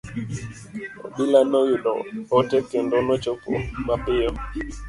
Obila noyudo ote kendo nochopo mapiyo.